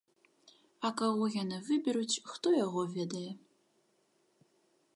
А каго яны выберуць, хто яго ведае.